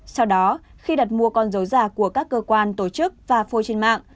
sau đó khi đặt mua con dấu giả của các cơ quan tổ chức và phô trên mạng